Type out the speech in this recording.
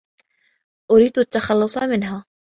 أريد التّحلّص منها.